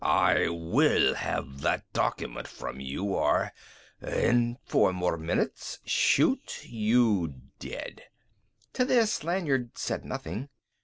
I will have that document from you or in four more minutes shoot you dead." To this Lanyard said nothing.